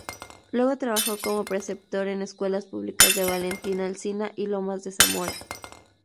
Luego trabajó como preceptor en escuelas públicas de Valentín Alsina y Lomas de Zamora.